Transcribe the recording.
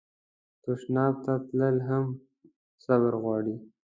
تشناب ته تلل هم صبر غواړي.